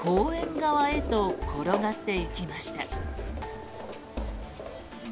側へと転がっていきました。